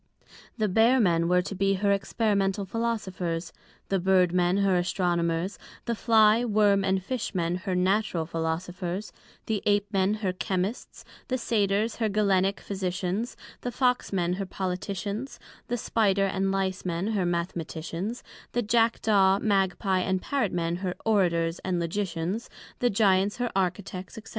The Bear men were to be her Experimental Philosophers, the Bird men her Astronomers, the Fly Worm and Fish men her Natural Philosophers, the Ape men her Chymists, the Satyrs her Galenick Physicians, the Fox men her Politicians, the Spider and Lice men her Mathematicians, the Jackdaw Magpie and Parrot men her Orators and Logicians, the Gyants her Architects, &c.